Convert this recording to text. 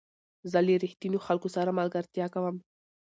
زه له رښتینو خلکو سره ملګرتیا کوم.